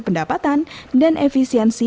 pendapatan dan efisiensi